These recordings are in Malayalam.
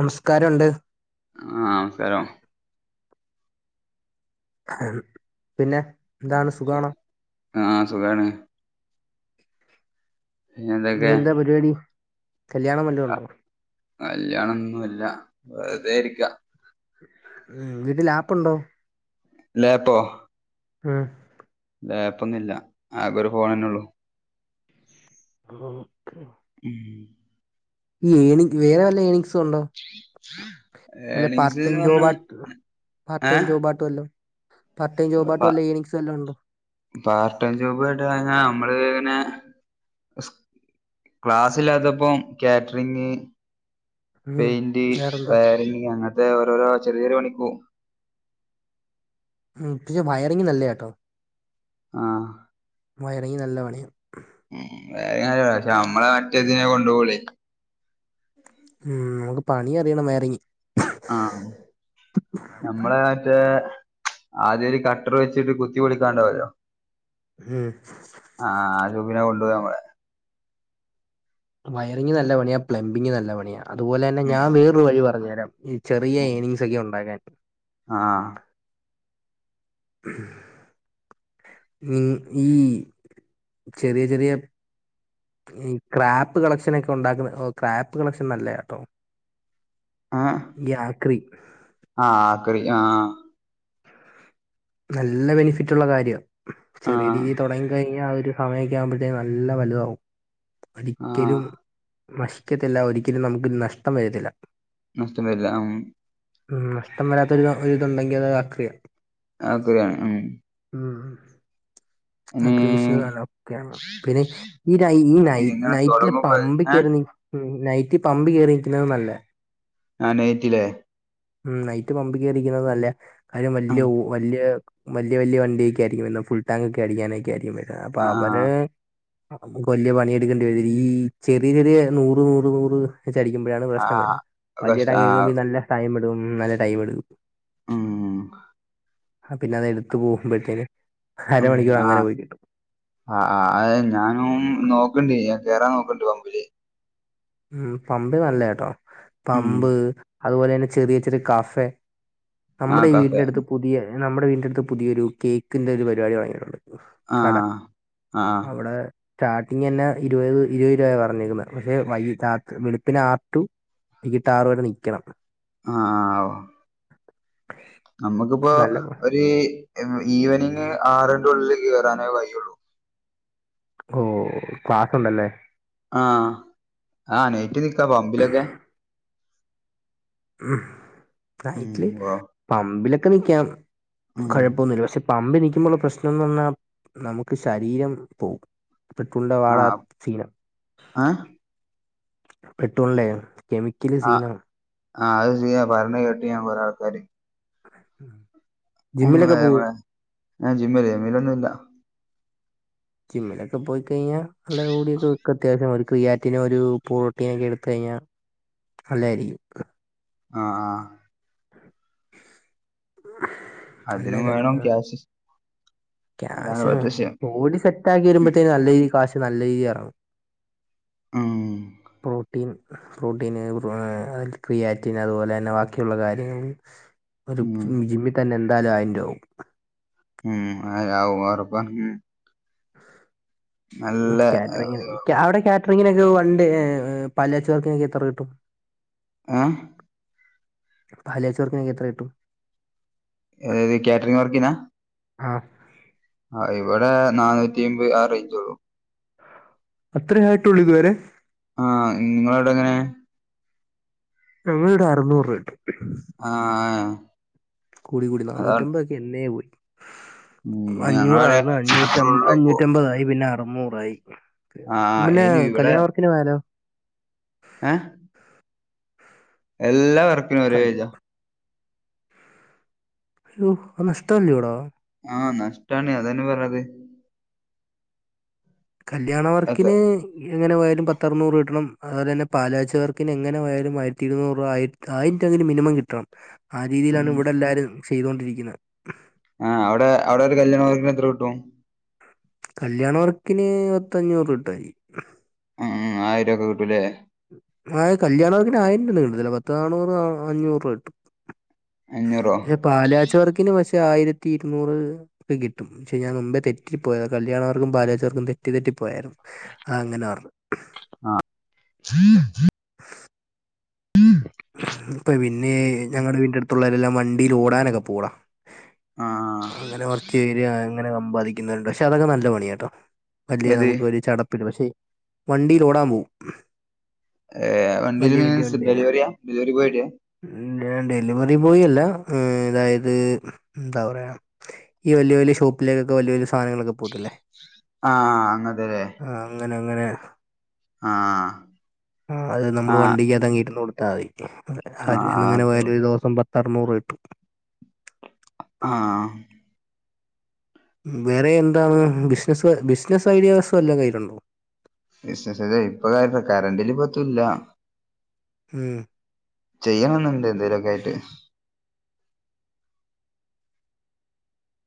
നമസ്കാരമുണ്ട് ആ നമസ്കാരം പിന്നെ എന്താണ് സുഖാണോ? ആ സുഖാണ് പിന്നെ ഇനി എന്തൊക്കെ എന്താ പരിപാടി കല്യാണംവല്ലതുണ്ടോ? കല്യാണന്നുല്ല വെറുതെരിക്കാ ഉ വീട്ടിൽ ആപ്പ്ണ്ടോ ലേപ്പോ ആഹ പ്പൊന്നും ഇില്ല ആകേ ഒരു ഫോൺ ന്നെ ഉള്ളൂ ആ ഉം ഈഏണി വേറെ വല്ല ഏണിംഗസ് ണ്ടോ വല്ല പാർ് ഏണിങ്സ് ടൈം ന്ന് ജോബ പറഞ്ഞ ആട്ട പാർ് ടൈം ഏഹ് ജോബ് ആയിട്ടവല്ലോം പാർട്ട ടൈംജോബായിട്ട് വല്ല ഏ നിങ്സ് വല്ലോം ഉണ്ടോ പാർട്ട് ടൈം ജോബ് ആയിട്ട് കഴിഞ്ഞ നമ്മള് ഇങ്ങനെ ക്ലാസ്സിലാത്തപ്പം കാറ്ററിങ് ഉം പെയിന്റ് വേറെന്താ വയറിംങ്ങ് അങ്ങനത്തെ ഓരോരോ ചെറിയ ചെറിയ പണിക്കൂ ഉ പെ വയറിങ്ംഗ് നല്ലത കേട്ടോ ആഹ വയറിങ് നല്ല പണയാണ് ഉ വയറിംഗ് നല്ല പണിയാ പക്ഷെ നമ്മളെ മറ്റേതിനെ കൊണ്ടോവൊള്ളൂ ഉ നമുക്ക് പണി അറിയണം വേറി ങ്ങി ആഹ നമ്മളെ മറ്റേ ആദ്യം ഒരു കട്ടർ വെച്ചിട്ട് കുത്തി പൊളിക്കാണ്ടാവല്ലോ ഉം ആഹ് ആഹ് ജൂബിനെ കൊണ്ടു പോവ പർയാ വയറിംഗ് നല്ല പണിയാ പ്ലംബിംഗ് നല്ല പണിയ അപോലെന്നെ ഞാൻ വേറൊരു വഴി പറഞ്ഞു തരാം ചെറിയ ഏനിങ്സ് ഒക്കെ ഉണ്ടാക്കാൻ ആഹ് [unintelligible] നി ഈ ചെറിയ ചെറിയ ഈ ക്രാപ്പ് കളക്ഷനൊക്കെ ഉണ്ടാക്കുന്ന ഓ ക്രാപ്പ് കളക്ഷൻ നല്ലതാട്ടോ ഏഹ് യാക്രി ആഹ് ആക്രി ആഹ് നല്ല ബെനിഫിറ്റ്ള്ള കാര്യമാണ് ചെറിയ ആഹ് രീതി തുടങ്ങി കഴിഞ്ഞാൽ ആഹ് ഒരു സമയൊക്കെ ആവുമ്പത്തെ നല്ല വലുതാകും ആഹ് ഒരിക്കലും നശിക്കത്തില്ല ഒരിക്കലും നമുക്ക് നഷ്ടം വരത്തില്ല നഷ്ടംവരില്ല ഉം ഉം നഷ്ടം വരാത്തൊരു ഇതുണ്ടെങ്കിൽ അത് അക്രിയ ആക്രിയാണ് ഉം ഉം ഇനി ആഹ് [unintelligible] പിന്നെ ഈ ഈ ന അപ്പൊ എങ്ങനെ നൈറ്റിലെ തുടങ്ങുമ്പോ പമ്പി ഏഹ് കേറി നിക്ക് [unintelligible] ഉം നൈറ്റ് പമ്പ് കയറിയിരിക്കുന്നത് നല്ലാ ആഹ് നെയ്ററില്ലേ ഉം നൈറ്റ് പമ്പിക്കേറരിക്കുന്നത് നല്ല കാര്യം വലിയ ഉം വലിയ വലിയ വല്യ വണ്ടിയൊക്കെ ആയിരിക്കും വരുന്നത് ഫുൾടാങ് ഒക്കെ അടിക്കാനൊക്കെ ആയിരിക്കും വരുന്നത് അപ്പൊ അവര് ആഹ് വല്ല്യ പണിയെടുക്കേണ്ടി വരീ ഈ ചെറിയ ചെറിയ നൂറ് നൂറ് നൂറ് ചടിക്കുമ്പോഴാണ് പ്രശ്നം ആഹ് വരുന്നത് വള്ളിട കഷ്ട ആഹ് കക്കുമ്പോ നല്ല ടൈം എടും നല്ല ടൈം എടുക്കും ആഹ് ആഹ് പിന്നെ അത് എടുത്ത് പോകുമ്പോഴത്തേന് ഉം അരമണിക്കൂർ അങ്ങനെ ആഹ് പോയി കിട്ടും ആഹ് അത് ഞാനും നോക്ക്ണ്ട് ഞാൻ കേറാൻ നോക്കണ്ട് പമ്പില് ഉം പമ്പ് നല്ല കേട്ടോ ഉം പമ്പ് അതുപോലെ തന്നെ ചെറിയ ചെറിയ കഫെ ആഹ് നമ്മുടെ കഫേ വീടിറ അടുത്ത് പുതിയ നമ്മുടെ വീടിന്റെ അടുത്ത് പുതിയൊ ഒരു കേക്കിന്റെ ഒരു പരിപാടി വടങ്ങിയിട്ടുണ്ട് കട ആഹ് ആഹ് അവിടെ സ്റ്റാർട്ടിങ് തന്നെ ഇരുപത് ഇരുപത് രൂപയാ പറഞ്ഞിരിക്കുന്നത് പക്ഷെ വൈയ് രാത്രി വെളുപ്പിന് ആറ് ടു വൈകിട്ട് ആറ് വരെ നിൽക്കണം ആഹ് ഓ [unintelligible] നമ്മക്ക്പ്പോ പക്ഷെ നല്ല ഒരു ഈവനിങ് ആറിന്റെ ഉള്ളിൽ കയറാനേ കഴിയുള്ളൂ ഓ ക്ലാസ് ഉണ്ടല്ലേ ആഹ് ആഹ് നേറ്റി നിക്കാ പമ്പിലൊക്കെ ഉം ഉം നൈറ്റില് ഓ പമ്പിലൊക്കെ നിക്കാം കുഴപ്പമൊന്നും പമ്പ് നിൽക്കുമ്പോള്ള പ്രശ്നംന്ന് പറഞ്ഞാ നമുക്ക് ശരീരം പോകും പെട്രൂണിൻ്റെ ഫുൾ വാടാ ആഹ് സീനാകും ആഹ് പെട്രുണില്ലേ കെമിക്കല് സീന ആഹ് അത് ചെയ്യാൻ പറഞ്ഞ്ണ കേട്ടി ഞാൻ ആൾക്കാര് ഉഹ് ഉം അതെ മഹൻ ജിമ്മല്ല ഇല്ലൊന്നും ഇല്ല ജിമ്മിലൊക്കെ പോയി കഴിഞ്ഞാൽ കൂടിയൊക്കെ അത്യാവശ്യം ക്രിയാറ്റിനും ഒരു പറോട്ടിയ ഒക്കെ എടുത്ത് കഴിഞ്ഞാൽ അല്ലായിരിക്കും ആഹ് ആഹ് ആഹ് അതിനും വേണം ക്യാഷ് അതാണ് ക്യാഷ് ഇവിടുത്തെ വിഷയം ബോഡി സെറ്റ് ആക്കി വരുമ്പോത്തേും നല്ല രീതി കാശ് നല്ല രീതി എറങ്ങും ഉം ഓഹ് പ്രോട്ടീൻ പ്രോട്ടീന് ക്രിയാറ്റിൻ അതുപോലെന്നെ ബാക്കിയുള്ള കാര്യങ്ങള് ഒരു ഉം ജിമ്മി തന്നെ എന്തായാലും ആയിരം രൂപ ആവും ഉം അ അ [unintelligible] ർബ കാറ്ററിങ്ങ് അവിടെ കാറ്ററിങ്ങിനൊക്കെ പണ്ട് പാലുകാച്ച് വർക്കിനൊക്ക എത്ര കിട്ടും ആഹ് പാലുകാച്ച് വർക്കിനൊക്കെ എത്ര കിട്ടും ഏത് കാറ്ററിംങ്ങ് വർക്കിനാ ആഹ് ആഹ് ഇവിടെ നാന്നൂറ്റി അമ്പത് ആ റേഞ്ചേള്ളൂ അത്രേ ആയിട്ടുള്ളൂ ഇതുവരെ ആഹ് നിങ്ങടെ എവിടെ എങ്ങനെ ഞങ്ങടെ ഇവിടെ അറുനൂറ് രൂപ കിട്ടും ആഹ ആഹ് കൂടി കൂടി അതാണ് നാണുറ്റമ്പതൊക്കെ എന്നെ പോയി ഉം ഞങ്ങളവിടെ അഞ്ഞൂറായിരുന്നു അഞ്ഞൂറ്റ മാത്രള്ളൂ ഇപ്പോ അഞ്ഞൂറ്റ അമ്പതായി പിന്നെ അറുന്നൂറായി ആ പിന്നെ ഇനി കല്യാണ വർക്കിന് പോയാലോ ഏയ എല്ലാ വർക്കിനും ഒരേ ഏജ് ആ അയ്യോ അത് നഷ്ടം അല്ലിയോടാ ആഹ് നഷ്ടാണ് അത് തന്നെ പറഞ്ഞത് കല്ല്യാണ അതെ വർക്കിന് എങ്ങനെ പോയാലും പത്തറൂനൂറ് കിട്ടണം അതുപോലെ തന്നെ പാലുകാച്ച് വർക്കിന് എങ്ങനെ പോയാലും ആയിരത്തി ഇരുനുറ് രൂവ ആയിര് ആയിരം രൂപ എങ്കിലും മിനിമം കിട്ടണം ആ രീതിയിലാണ് ഉം ഇവിടെ എല്ലാരും ചെയ്തോണ്ട് ഇരിക്കുന്നത് ആഹ് അവിടെ അവിടെ ഒര് കല്ല്യാണ വർക്കിന് എത്ര കിട്ടും കല്ല്യാണ വർക്കിന് പത്തഞ്ഞൂറ് രൂപ കിട്ടുവായിരിക്കും ഉം ആയിരൊക്കെ കിട്ടും ഇല്ലേ ഏയ് കല്ല്യാണവർക്കിന് ആയിരം രൂപ ഒന്നും കിട്ടത്തില്ല പത്ത് നാണുറ് അഞ്ഞൂറ് രൂപ കിട്ടും അഞ്ഞൂറോ പക്ഷെ പാല്കാച്ച് വർക്കിന് പക്ഷെ ആയിരത്തി ഇരുനുറ്- കിട്ടും പക്ഷേ ഞാൻ മുൻപേ തെറ്റിപ്പോയതാ കല്ല്യാണവർക്കും പാല്കാച്ച് വർക്കും തെറ്റി തെറ്റി പോയാരുന്നു ആഹ് അങ്ങനെ പറഞ്ഞു ആഹ് [inaudible] ഇപ്പ പിന്നെ ഞങ്ങടെ വീട്ടിന്റെ അട്ത്ത് ഉള്ളോരെല്ലാം വണ്ടീല് ഓടാനൊക്കെ പോവുവെട ആ അങ്ങനെ വർക് ഏര്യ അങ്ങനെ സമ്പാദിക്കുന്നവരുണ്ട് പക്ഷെ അതൊക്കെ നല്ല പണിയാ കേട്ടോ അല്ലെ ഏത് നമുക്ക് ഒരു ചടപ്പ് [unintelligible] ന് പക്ഷെ വണ്ടീലോടാൻ പോവും ഏ വണ്ടീല് എങ്ങനെയാ ഡെലിവറിയാ ഡെലിവറി ബോയ്ടെയാ ഞാൻ ഡെലിവെറി ബോയി അല്ല അതായത് എന്താ പറയ്ക - ഈ വല്ലിയ വല്ലിയ ഷോപ്പിലേക്കൊക്കെ വല്ല്യയ വല്ലിയ സാനങ്ങളൊക്കെ പോത്തില്ലേ ആഹ് അങ്ങനത്തെ ഇല്ലേ ആഹ് അങ്ങന അങ്ങനെ- അത് നമ്മള് ആ വണ്ടിക്കത്താങ്ങ് ഇരുന്നു കൊടുത്താൽ മതി ആ കാര്യം എങ്ങനെ അതോ പോയാലും ഒരു ദെവസം പത്തറുനുറ് രൂപ കിട്ടും ആഹ് വേറെ എന്താണ് ബിസിനസ് ബിസ്നസ് ഐഡിയാസ് വല്ലൊം കയ്യില്ണ്ടോ? ബിസ്നസ് അതെ ഇപ്പ കാരണം കറണ്ടിലി പറ്റൂല്ല ഉം ചെയ്യണം ന്ന്ണ്ട് എന്തെേലൊക്കായിട്ട്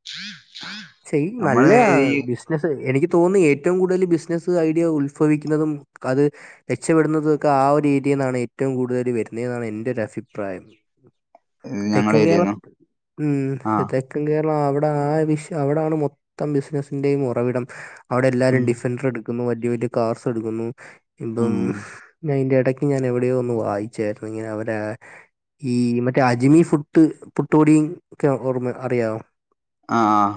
[unintelligible] ചെയിം നമ്മള് ന്നല്ലേ ഈ ആണം ബിസ് സ്നസ് എനിക്ക് തോന്നി ഏറ്റവും കൂടുതൽ ബിസിനസ്സ് ഐഡിയ ഉൽഫവിക്കുന്നതും അത് രക്ഷപ്പെടുന്നതൊക്കെ ആ ഒര് ഏര്യേന്നാണ് ഏറ്റവും കൂടുതൽ വെര്ന്നെന്നാണ് എൻ്റൊര് അഫിപ്രായം ഞങ്ങളെ തെക്കൻ കേരളം ഏരിയേന്നോ ആ മ് തെക്കൻ കേരളം അവിടെ ആ ഒര്ഷ് ക്യയാ അവ്ടാണ് മൊത്തം ബിസിനസ്സിന്റെയും ഒറവിടം അവിടെ ഉം എല്ലാരും ഡിഫൻൻ്റഡ് കുന്നു വല്ല്യയ വല്ല്യയ കാർസ് എടുക്കുന്നു ഇപം ഉം ഞാ അയ്ൻന്റെ എടക്ക് ഞാൻ എവിടെ ഒന്ന് വായിച്ചായിരുന്നു ഞവിടെ ഈ മറ്റേ അജ്മി ഫുട്ട് പുട്ട്പൊടിം ഒക്കെ ഓർമ്മ അറിയാവോ അ ആഹ്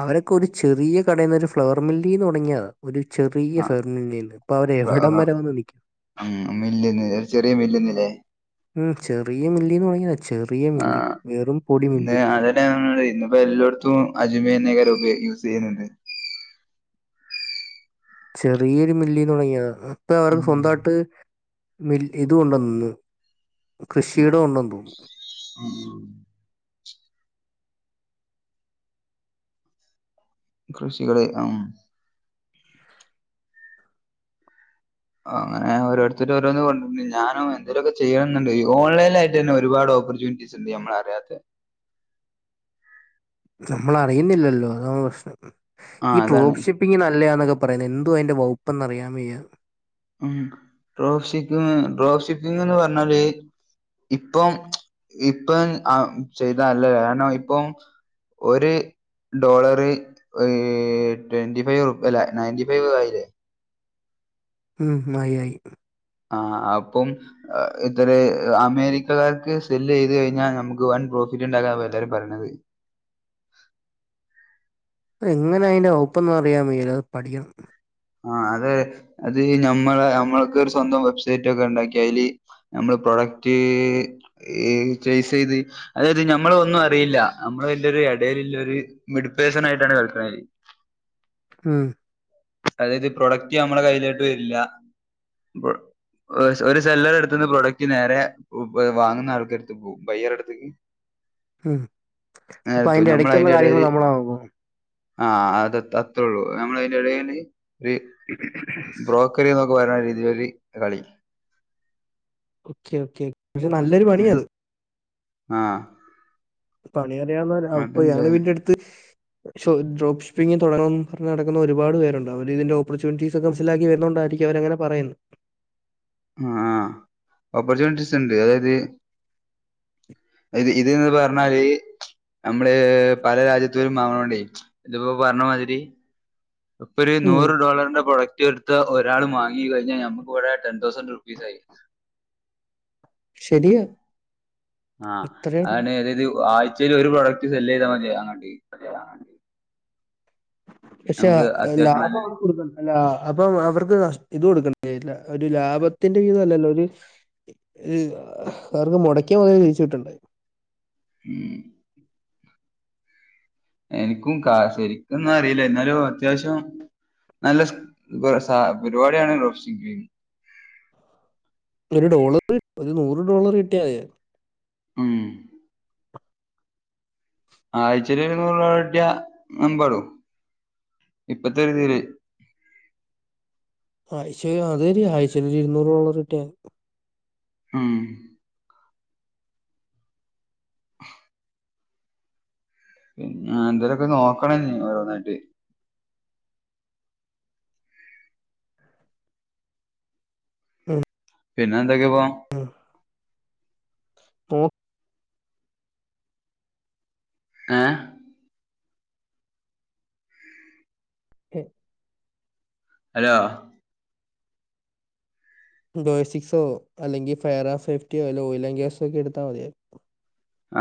അവരൊക്കെ ഒരു ചെറിയ കടേന്ന് ഒരു ഫ്ലവർ മില്ലീന്നൊട്ങ്ങിയാ ഒരു ചെറിയ ഫ്ലവർ മില്ലീന്ന് ഇപ്പ അവര് എവിടം വരെ വന്ന് നിക്ക മ് മില്ല്ന്ന് ഒര് ചെറിയ മില്ല്ന്ന് ലേ മ് ചെറിയ മില്ലീന്ന് വാങിതാ ചെറിയ മില്ല് വെറും പൊടി മില്ല് ആ ഇന്ന്പ്പോ എല്ലോട്ത്തും അജ്മിന്നെയ്ക്കാരം ഉപയോഗിക്ക്ന്നെ [inaudible] ചെറിയൊര് മില്ലീന്നൊട്ങ്ങിയതാ ഇപ്പ ഉം. അവർക്ക് സ്വന്തായിട്ട് മി ഇത് കൊണ്ടന്ന്ന്ന് കൃഷിയിടം ഒണ്ടന്ന് തോന്ന്ന്നു [unintelligible] കൃഷികള് അം അങനെ ഓരോര്ത്തര് ഓരോന്ന് കൊണ്ടര്ണ് ഞാനും എന്തേലൊക്കെ ചെയ്യണന്ന്ണ്ട് ഓൺലൈനായി്ട്ടെന്നെ ഒരുപാട് ഓപ്പർചൂണിറ്റീസ് സ്ണ്ട് അമ്മള് അറിയാത്തെ നമ്മളറിയുന്നില്ലല്ലോ അത പ്രശ്നം ഈ ആഹ് അതാണ് ട്രോപ്സി- ഇ ഇങ്ങെല്ലതന്നൊക്കെ പറയുന്നത് എന്തുവാ അതിന്റെ വകപ്പ്ന്ന് അറിയൻ വയ്യ ഉ ഡ്രോ ഷിപ്പിങ് ഡ്രോഷിപ്പിങ് ന്ന് പറഞ്ഞാല് ഇപ്പം ഇപ്പ ആ ചെയ്തല്ല കാരണം ഇപ്പം ഒര് ഡോളർഒരു ട്വന്റി ഫൈവ് അല്ല നയന്റി ഫൈവ് ആയില്ലേ ഉം ആയി ആയി ആഹ് അപ്പം ഇത്ര അമേരിക്കക്കാർക്ക് സെല് ചെയ്ത് കഴിഞ്ഞാൽ നമുക്ക് വൺ പ്രോഫിറ്റ് ഉണ്ടാക്കാ എല്ലരും പറഞ്ഞത് അ എങ്ങനെ അതിന്റെ ഒപ്പന്ന് അറിയാൻ വയ അത് പഠിക്കണം ആഹ് അതെ അത് നഞമ്മളെ നമ്മക്ക ഒരു സ്വന്തം വെബ്സൈറ്റ് ഒക്കെ ഉണ്ടാക്കി അതില് നമ്മള് പ്രൊഡക്റ്റ് ചേസ് ചെയ്ത് അതായത് ഞമ്മള ഒന്നും അറിയില്ല നമ്മള് അയിന്റൊരു ഇടൽ ഒരു മിഡ പേഴ്സൺ ആയിട്ടാണ് കളിക്ക ഉം അതായത് പ്രൊഡക്റ്റ് നമ്മള കയ്യിലോട്ട് വരില്ല ഒരു സെല്ലറടുതന്ന് പ്രോഡക്റ്റ് നേര വാങ്ങുന്ന ആൾക്കടുത്ത് ബയ്യറെ അടുത്തേക്ക് ഉം അപ്പൊ അതിന്റെ നേരെത്തും ഇടയ്ക്കുള്ള കാര്യങ്ങൾ നമ്മളാ- ആഹ് അത് അത്രുള്ളൂ നമ്മൾ അയിന്റെ എടേൽഇത് [unintelligible] നക്ക പറരുന്ന രീതിയിലൊരു കളി ഓക്കെ ഓക്കെ പക്ഷെ നല്ലൊരു പണിയ അത് ആഹ് പണി അറിയന്ന അപ്പൊ അതുണ്ട് ഞങ്ങള് വീടി ന്റെ അടുത്ത് ഡ്രോ്ഷിങ് തുടങ്ങണംന്ന് പറഞ് നടക്കുന്ന ഒരുപാട് പേരുണ്ട് അവര് ഇതിന്റെ ഓപ്പർച്യണിറ്റീസ് ക്കെ മനസിലാക്കി വരുന്നുണ്ടായിരിക്ക അവങ്ങനെ പറയുന്നു ആ ഓപ്പർച്ചുനിറ്റീസ് ണ്ട് അതായത് ഇത് ഇതന്ന് പറഞ്ഞാല് നമ്മള് പല രാജ്യത്തൊരും മാങ്ങണോണ്ടെ ഇതിപ്പോ പർഞ്ഞ മാതിരി ഇപ്പൊര് ഉം. നൂറ് ഡോളറിന്റെ പ്രൊഡക്റ്റെട് ത്ത് ഒരാള് മാങ്ങി കഴിഞ്ഞാ നമക്കിവടെ ടെൻ തൗസൻറ് റുപ്പീസായിരി ശെരിയ ആഹ് അതാണ് അതായത് ആയ്ച്ചേല് ഒര് പ്രോഡക്ട് സെല്ലെയ്താ മതിയ അങ്ങട്ട് പക്ഷേ നമുക്ക് അത്യാവശ്യം ലാഭ നല്ല വർക്കിട്ക്കും അല്ല അപ്പം അവർക്ക് നഷ് ഇതെട്ക്കാൻ കയ്യില്ല ഒരു ലാഭത്തിന്റെ വിതല്ലല്ലോ ഒര് ഇഹ് അവര്ക്ക് മൊടക്ക്യ മൊതല് തിരിച്ച് കിട്ടണ്ടേ. ഉം എനിക്കും കാ ശരിക്കൊന്നറില്ല എന്നാലും അത്യാവശ്യം നല്ല സ് ബ് സ പരിവാട്യാണ് റോപ്‌സിക്. ഒരു ഡോളർ ഒരു നൂറ് ഡോളർ കിട്ട്യാ ഉം ആയ്‌ച്ചേലൊര് നൂറ് ഡോളർ കിട്ട്യാ എമ്പാടും ഇപ്പത്തെ ഒരീതില് ആഹ് ശെരിയാ അതൊരു ആയ്ച്ചേലൊരു ഇര്ന്നൂർ ഡോളർ കിട്ട്യാതി. ഉം ഉം ആഹ് എന്തേലൊക്കെ നോക്കണ ഞ് ഓരോന്നായിട്ട്. ഉം പിന്നെന്തൊക്കെ പോ? ഉം പൊ ഏഹ് [unintelligible] അലോ ബേസ്സിക്സോ അല്ലെങ്കി ഫയർ ആൻഡ് സെഫ്റ്റ്യോ അല്ലെ ഓയിലൻ ഗ്യാസോക്കെട്ത്താ മതിയായിര്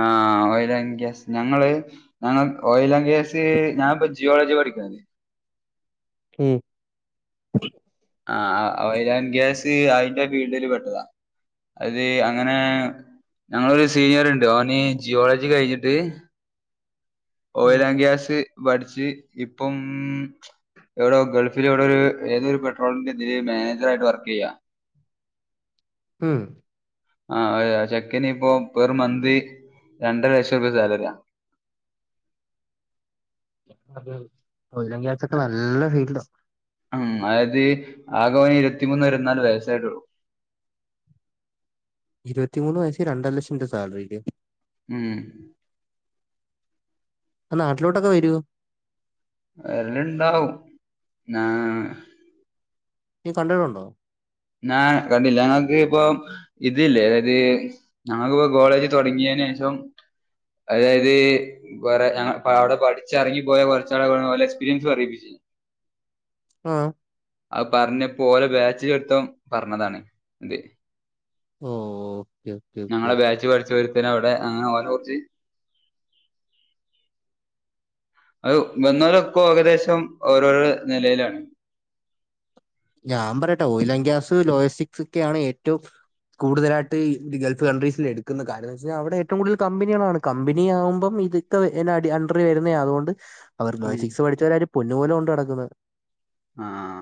ആഹ് ഓയിലാൻഡ് ഗ്യാസ് ഞങ്ങള് ഞങ്ങ ഓയിലൻ ഗ്യാസ് ഞാപ്പൊ ജിയോളജി പഠിക്കുന്നത്. ഉം ആഹ് ആഹ് ഓയിലാൻ ഗ്യാസ് അയ്ന്റെ ഫീൽഡില് പെട്ടതാ. അത് അങ്ങനെ ഞങ്ങളൊരു സീനിയറ്ണ്ട് ഓന് ജിയോളജി കഴ്ഞ്ഞിട്ട് ഉം ഓയിലാൻ ഗ്യാസ് പഠിച്ച് ഇപ്പം എവടൊ ഗൾഫിലെവ്ടൊരു ഏതൊരു പെട്രോളിന്റെ ഇതില് മാനേജറായിട്ട് വർക്കെയ്യാ ഉം ആഹ് അതെ ആ ചെക്കനിപ്പോ പെർ മന്ത് രണ്ടര ലക്ഷൊക്കെ സാലറ്യാ അതെ ഓയിലാൻ ഗ്യാസൊക്കെ നല്ല [unintelligible] ഉം ആത് ആകവന് ഇരുപത്തി മൂന്ന് ഇരുവത്തിനാല് വയസായിട്ടൊള്ളൂ ഇരുപത്തിമൂന്ന് വയസ്സി രണ്ടര ലക്ഷം ൻ്റെ സാലറ്യൊക്കെ. ഉം നാട്ടിലോട്ടൊക്കെ വെരോ? വെര്ല്ണ്ടാവും ഞാ നീ കണ്ടിട്ടുണ്ടോ? ഞാ കണ്ടില്ല ഞങ്ങക്കിപ്പൊ ഇതില്ലേ അതായത് ഞങ്ങക്കിപ്പോ കോളേജ് തൊടങ്ങ്യേനേഷം അതായത് കൊറെ ഞങ്ങള് പാവടെ പഠിച്ചെർങ്ങി പോയാ കൊർച്ചാളുകള് [unintelligible] ഓലെക്ക്സ്പീരിയൻസ് പറയിപ്പിച്ചീനി. ആഹ് അത് പർഞ്ഞപോലെ ബാച്ച്ലൊര്ത്തം പർഞ്ഞതാണ് ഇത് ഓഹ് ഞങ്ങളെ ബാച്ച് പഠിച്ച ഒരുത്തനവടെ അങ്ങനെ ഓനെ കുറച്ച് അത് വന്നേലൊക്കൊകദേശം ഓരോരോ നെലയിലാണ്. ഞാം പറയട്ടെ ഓയിലാൻ ഗ്യാസ് ലോയിസ്റ്റിക് സൊ ക്കെണ് ഏറ്റവും കൂടുതലായിട്ട് ഈ ഗൾഫ് കൺട്രീസിൽ എടുക്കുന്ന കാര്യംന്ന് വെച്ചഴിഞ്ഞാ അവിടെ ഏറ്റവും കൂടുതൽ കമ്പനികളാണ് കമ്പനിയാവുമ്പം ഇത് ത്തത് എന അടി അണ്ടറി വരുന്നെയാ അതുകൊണ്ട് അവർ ഉം ലോയിസിക്സ് പഠിച്ചവരെ പൊന്നു പോലെ കൊണ്ട് നടക്കുന്നത് ആഹ്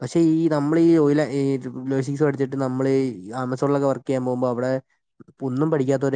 പക്ഷെ ഈ നമ്മള് ഈ ഓയില ഈ ലോയിസിക്സ് പഠിച്ചിട്ട് നമ്മള് ഈ ആമസോണിലൊക്കെ വർ ക്കെയ്യാൻ പോകുമ്പോ അവ്ടെ ഒന്നും പഠിക്കാത്തോരെ